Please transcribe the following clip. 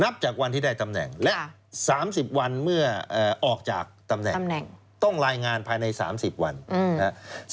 จากวันที่ได้ตำแหน่งและ๓๐วันเมื่อออกจากตำแหน่งต้องรายงานภายใน๓๐วันนะครับ